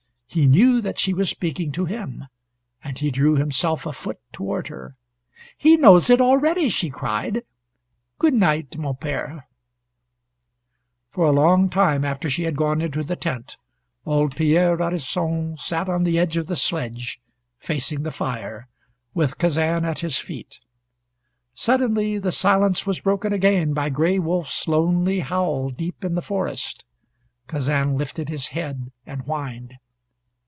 He knew that she was speaking to him, and he drew himself a foot toward her. "He knows it already!" she cried. "Good night, mon pere." For a long time after she had gone into the tent, old Pierre Radisson sat on the edge of the sledge, facing the fire, with Kazan at his feet. Suddenly the silence was broken again by Gray Wolf's lonely howl deep in the forest. Kazan lifted his head and whined.